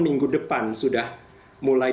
minggu depan sudah mulai